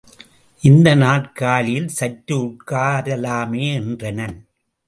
இந்த நாற்காலியில் சற்று உட்கார லாமே என்றனன்.